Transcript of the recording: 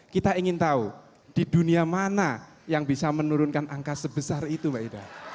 kita ingin tahu di dunia mana yang bisa menurunkan angka sebesar itu mbak ida